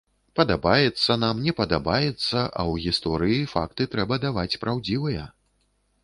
Падабаецца нам, не падабаецца, а ў гісторыі факты трэба даваць праўдзівыя.